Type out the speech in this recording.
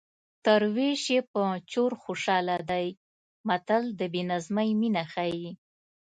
تر وېش یې په چور خوشحاله دی متل د بې نظمۍ مینه ښيي